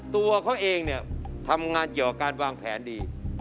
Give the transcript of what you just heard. ตัวเขาเองเนี่ยทำงานเกี่ยวกับการวางแผนดี